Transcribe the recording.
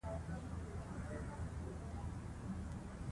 ولې ځواب يې را نه کړ